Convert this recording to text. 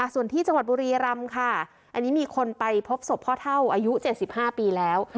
ส่วนที่จังหวัดบุรีรำค่ะอันนี้มีคนไปพบศพพ่อเท่าอายุ๗๕ปีแล้ว